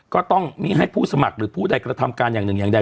ก็ต้องมีให้ผู้สมัครหรือผู้ใดกระทำการอย่างหนึ่งอย่างใด